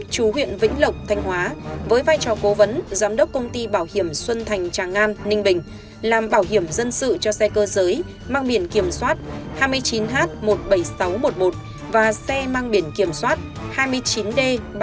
chú huyện vĩnh lộc thanh hóa với vai trò cố vấn giám đốc công ty bảo hiểm xuân thành tràng an ninh bình làm bảo hiểm dân sự cho xe cơ giới mang biển kiểm soát hai mươi chín h một mươi bảy nghìn sáu trăm một mươi một và xe mang biển kiểm soát hai mươi chín d một trăm ba mươi